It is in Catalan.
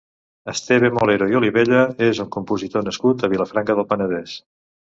Esteve Molero i Olivella és un compositor nascut a Vilafranca del Penedès.